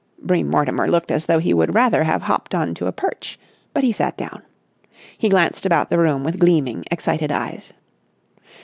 Bream Mortimer looked as though he would rather have hopped on to a perch, but he sat down. He glanced about the room with gleaming, excited eyes.